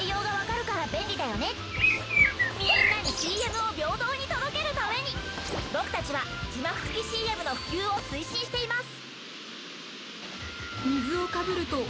みんなにＣＭを平等に届けるために僕たちは字幕付きＣＭの普及を推進しています。